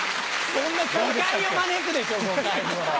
誤解を招くでしょ誤解を！